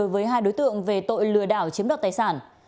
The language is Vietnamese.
với hai đối tượng về tội lừa đảo chiếm đoạt tài sản